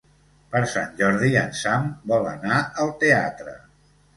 Per Sant Jordi en Sam vol anar al teatre.